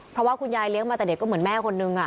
เพราะว่าคุณยายเลี้ยงมาแต่เด็กก็เหมือนแม่คนนึง